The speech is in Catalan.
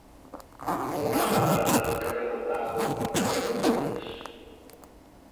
Com es fa per anar del carrer del Tajo al carrer dels Amics?